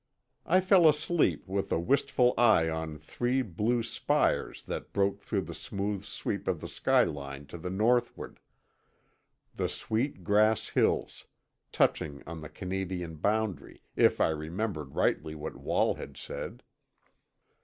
I fell asleep with a wistful eye on three blue spires that broke the smooth sweep of the skyline to the northward—the Sweet Grass Hills, touching on the Canadian boundary, if I remembered rightly what Wall had said.